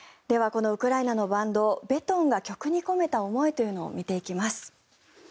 このウクライナのバンドＢｅｔｏｎが曲に込めた思いというのを見ていきます。